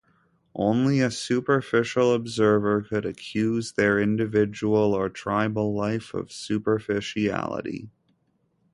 Only a superficial observer could accuse their individual or tribal life of superficiality.